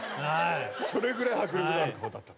それぐらい迫力のある顔だった。